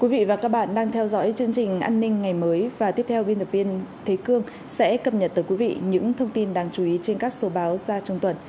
quý vị và các bạn đang theo dõi chương trình an ninh ngày mới và tiếp theo ghiệp viên thế cương sẽ cập nhật tới quý vị những thông tin đáng chú ý trên các số báo ra trong tuần